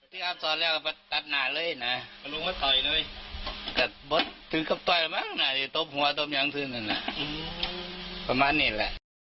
ถึงกับตอนแม่งน่ะตบหัวตบยางถึงน่ะอืมประมาณนี้แหละ